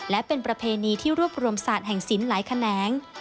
และเป็นประเพณีที่รวบรวมศาสตร์แห่งศิลป์หลายแขนง